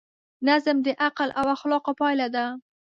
نظم د عقل او اخلاقو پایله ده.